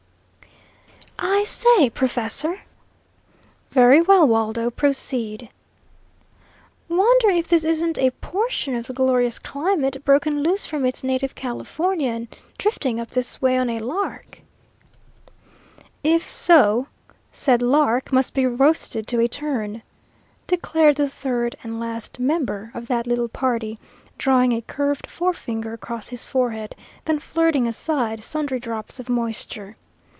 "I say, professor?" "Very well, Waldo; proceed." "Wonder if this isn't a portion of the glorious climate, broken loose from its native California, and drifting up this way on a lark?" "If so, said lark must be roasted to a turn," declared the third (and last) member of that little party, drawing a curved forefinger across his forehead, then flirting aside sundry drops of moisture.